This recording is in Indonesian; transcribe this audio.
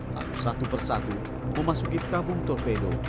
lalu satu persatu memasuki tabung torpedo